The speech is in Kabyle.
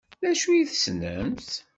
D acu i tessnemt?